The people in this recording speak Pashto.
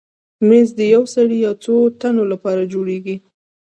مېز د یو سړي یا څو تنو لپاره جوړېږي.